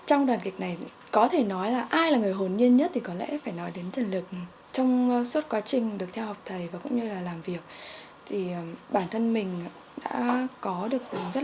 ông ơi ông mừng tuổi cho cháu